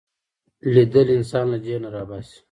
لیدل انسان له جهل نه را باسي